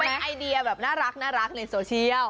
มันเป็นไอเดียแบบน่ารักในโซเชียล